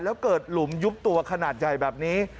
แล้วเกิดหลุมยุบตัวขนาดใหญ่แบบนี้